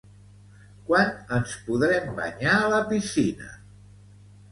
Quan ens podrem banyar a la piscina?